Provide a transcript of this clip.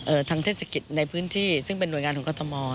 ทางเทศกิจในพื้นที่ซึ่งเป็นหน่วยงานของกรทม